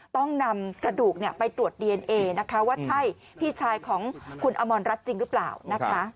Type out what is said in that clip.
ต้องนำกระดูกไปตรวจดีเอนเอนะคะว่าใช่พี่ชายของคุณอมรรัฐจริงหรือเปล่านะคะ